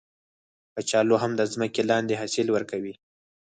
کچالو هم د ځمکې لاندې حاصل ورکوي